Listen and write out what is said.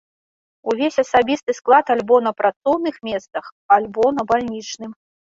Увесь асабісты склад альбо на працоўных месцах, альбо на бальнічным.